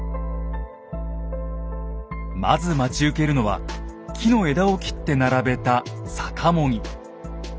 まず待ち受けるのは木の枝を切って並べた「逆茂木」。